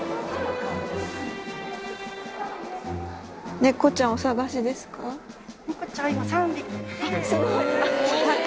猫ちゃんお探しですか？